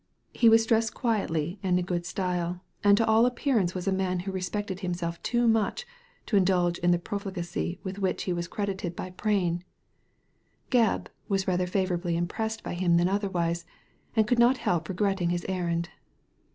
He was dressed quietly and in good style, and to all appear ance was a man who respected himself too much to indulge in the profligacy with which he was credited Digitized by Google ARTHUR FERRIS 135 by Prain. Gcbb was rather favourably impressed by him than otherwise, and could not help regretting his errand.